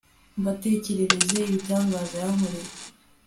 mbatekerereze ibitangaza yankoreye